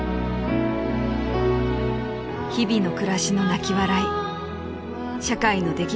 ［日々の暮らしの泣き笑い社会の出来事